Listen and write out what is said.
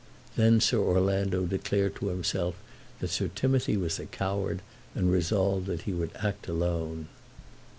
Then Sir Orlando declared to himself that Sir Timothy was a coward, and resolved that he would act alone.